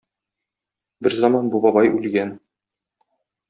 Берзаман бу бабай үлгән.